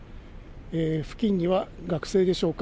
付近には学生でしょうか。